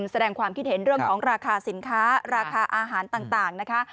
แสดงความคิดเห็นเรื่องของราคาสินค้าราคาอาหารต่างนะคะ